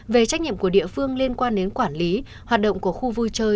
về trách nhiệm của địa phương liên quan đến quản lý hoạt động của khu vui chơi